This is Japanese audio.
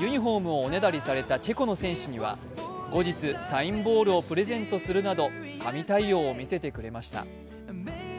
ユニフォームをおねだりされたチェコの選手には後日サインボールをプレゼントするなど神対応を見せてくれました。